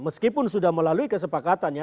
meskipun sudah melalui kesepakatan ya